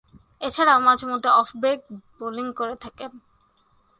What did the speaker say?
এছাড়াও মাঝে-মধ্যে off break bowling করে থাকেন।